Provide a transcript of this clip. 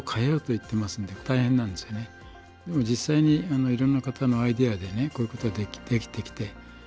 でも実際にいろんな方のアイデアでねこういうことができてきて。